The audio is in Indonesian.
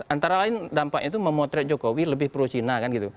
antara lain dampaknya itu memotret jokowi lebih pro cina kan gitu